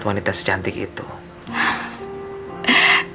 jadi ab dan bapak